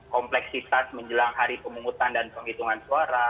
kompleksitas menjelang hari pemungutan dan penghitungan suara